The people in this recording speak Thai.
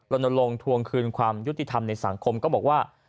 ลงทวงคืนความยุติธรรมในสังคมก็บอกว่า